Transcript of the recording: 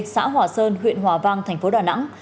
xã hòa sơn huyện hòa vang thành phố đà nẵng